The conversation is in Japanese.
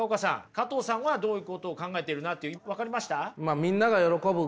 加藤さんはどういうことを考えているなって分かりました？